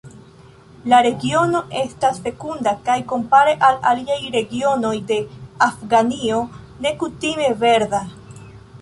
La regiono estas fekunda kaj kompare al aliaj regionoj de Afganio nekutime verda.